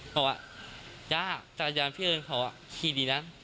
บอกว่าย่าจักรยานพี่เอิญเขาขี่ดีนะ